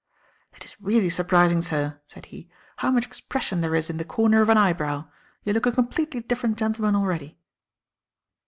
"It is really surprising, sir," said he, "how much expression there is in the corner of an eyebrow. You look a completely different gentleman already."